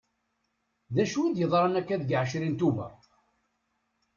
D acu i d-yeḍran akka deg ɛecrin tuḅer?